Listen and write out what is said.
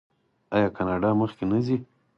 آیا کاناډا مخکې نه ځي؟